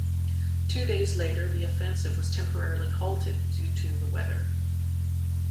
Two days later the offensive was temporarily halted due to the weather.